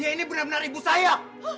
dia ini benar benar ibu saya